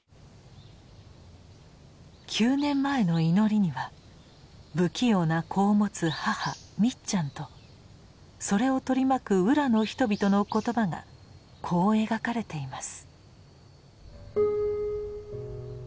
「九年前の祈り」には不器用な子を持つ母みっちゃんとそれを取り巻く「浦」の人々の言葉がこう描かれています。